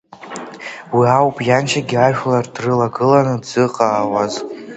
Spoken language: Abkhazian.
Уи ауп ианшьагьы ажәлар дрылагыланы дзыҟаауаз…